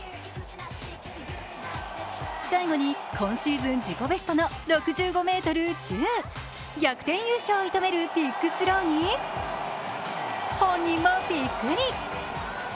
最後に、今シーズン自己ベストの６５ｍ１０。逆転優勝を射止めるビッグスローに本人もびっくり。